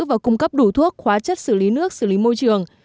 và cung cấp đủ thuốc hóa chất xử lý nước xử lý môi trường